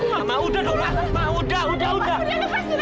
mama udah dong ma udah udah udah udah